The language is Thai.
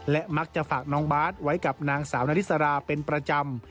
และมักจะฝากน้องบาทไว้กับนางสาวนาริสราเป็นประจำ